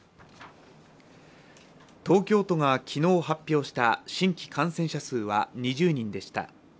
東京都が昨日発表した新規感染者数は２０人でした。